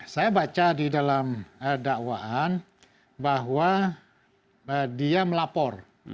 saya baca di dalam dakwaan bahwa dia melapor